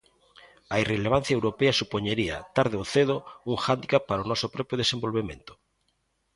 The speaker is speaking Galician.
A irrelevancia europea supoñería, tarde ou cedo, un hándicap para o noso propio desenvolvemento.